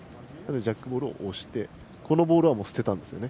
ジャックボールを押して１つのボールを捨てたんですね。